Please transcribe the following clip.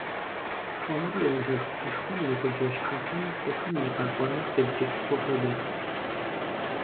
Хуэмурэ ежэх псышхуэм и гъуджэ щхьэфэм цӏыхум и къэкӏуэнур къибджыкӏ хъу хуэдэт.